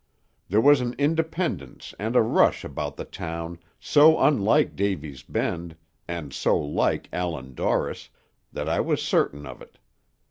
There was an independence and a rush about the town so unlike Davy's Bend, and so like Allan Dorris, that I was certain of it.